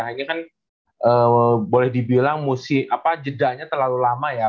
hanya kan boleh dibilang musik jedanya terlalu lama ya